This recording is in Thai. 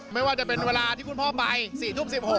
ไม่ว่าจะเป็นเวลาที่คุณพ่อไป๔ทุ่ม๑๖